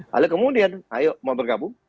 lalu kemudian ayo mau bergabung